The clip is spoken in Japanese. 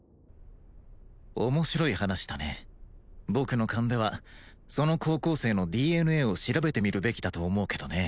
面白い話だね僕の勘ではその高校生のＤＮＡを調べてみるべきだと思うけどね